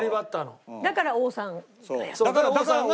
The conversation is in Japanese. だから王さんが。